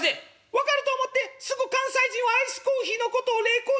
「分かると思ってすぐ関西人はアイスコーヒーのことを冷コーっちゅう。